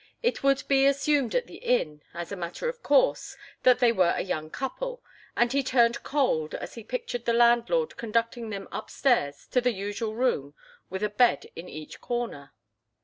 It would be assumed at the inn, as a matter of course, that they were a young couple, and he turned cold as he pictured the landlord conducting them upstairs to the usual room with a bed in each corner.